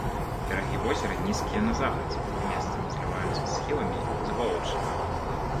Берагі возера нізкія на захадзе, месцамі зліваюцца з схіламі, забалочаныя.